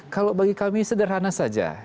kalau bagi kami sederhana saja